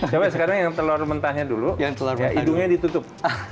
coba sekarang yang telur mentahnya dulu hidungnya ditutup